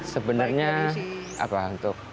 sebenarnya apa untuk